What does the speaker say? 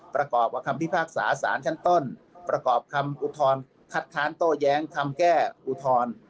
ประกอบกับคำพิพากษาสารชั้นต้นประกอบคำอุทธรณ์คัดค้านโต้แย้งคำแก้อุทธรณ์